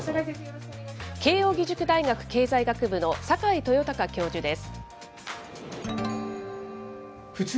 慶應義塾大学経済学部の坂井豊貴教授です。